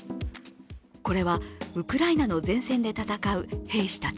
これはウクライナの前線で戦う兵士たち。